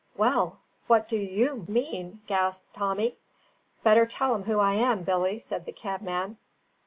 "Well, what do YOU, mean?" gasped Tommy. "Better tell 'em who I am, Billy," said the cabman.